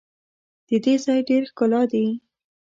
د دې ځای ډېر ښکلا دي.